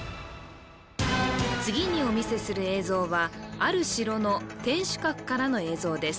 次にお見せする映像はある城の天守閣からの映像です